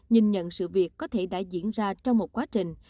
nhìn nhận sự việc có thể đã diễn ra trong một quá trình